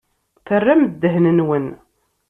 Terram ddehn-nwen.